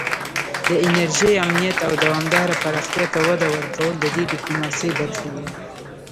د انرژۍ امنیت او دوامداره پراختیا ته وده ورکول د دې ډیپلوماسي برخې دي